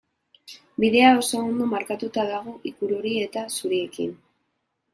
Bidea oso ondo markatuta dago ikur hori eta zuriekin.